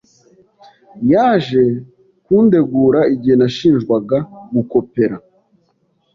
Yaje kundegura igihe nashinjwaga gukopera.